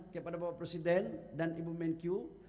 kepada bapak presiden dan ibu menkyu